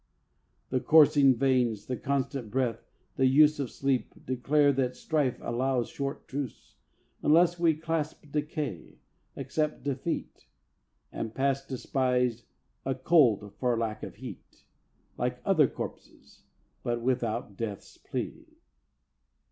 The coursing veins, the constant breath, the use Of sleep, declare that strife allows short truce; Unless we clasp decay, accept defeat, And pass despised; "a cold for lack of heat," Like other corpses, but without death's plea.